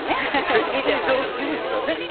歴史の史実だね。